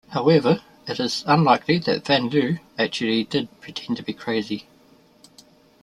However, it is unlikely that Van Lew actually did pretend to be crazy.